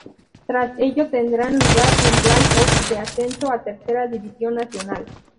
Tras ello tendrán lugar los play-off de ascenso a Tercera División Nacional.